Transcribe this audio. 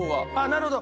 なるほど。